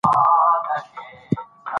ملایکې له مسواک وهونکي سره ستړې مه شي کوي.